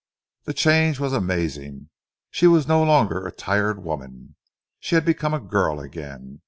The change was amazing. She was no longer a tired woman. She had become a girl again.